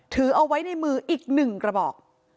ถือเอาไว้ในมืออีก๑กระบอก